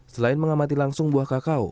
selain mengamati langsung buah kakao